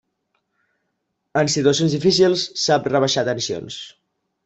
En situacions difícils sap rebaixar tensions.